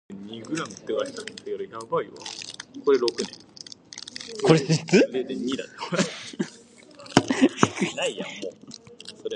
When Cypselus had grown up, he fulfilled the prophecy.